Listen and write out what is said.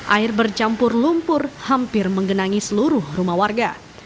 air bercampur lumpur hampir menggenangi seluruh rumah warga